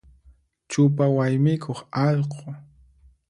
Chupa waymikuq allqu.